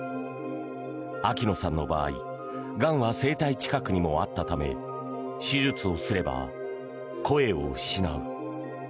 秋野さんの場合、がんは声帯近くにもあったため手術をすれば、声を失う。